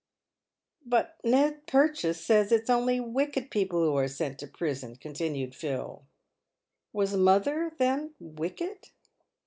•" But Ned Purchase says it's only wicked people who are sent to prison," continued Phil. " Was mother, then, wicked